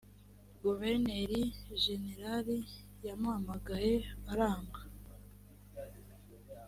guverineri jenerari yamuhamagaye aranga